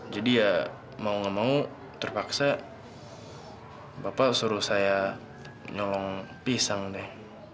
jadi ya mau nggak mau terpaksa bapak suruh saya nyolong pisang deh